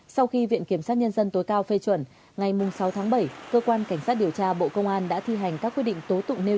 sau khi viện kiểm sát nhân dân tối cao phê chuẩn ngày sáu tháng bảy cơ quan cảnh sát điều tra bộ công an đã thi hành các quyết định tố tụng nêu